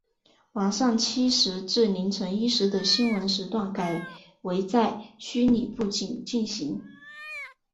晚上七时至凌晨一时的新闻时段改为在虚拟布景进行。